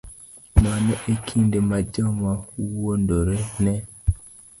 Mano e kinde ma joma wuondore ne